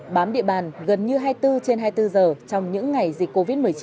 bám địa bàn gần như hai mươi bốn trên hai mươi bốn giờ trong những ngày dịch covid một mươi chín